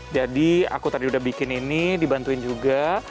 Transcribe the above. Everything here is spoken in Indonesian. jadi aku tadi udah bikin ini dibantuin juga